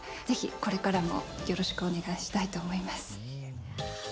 ぜひ、これからもよろしくお願いしたいと思います。